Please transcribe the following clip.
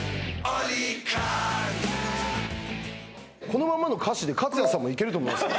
このまんまの歌詞で勝矢さんもいけると思います。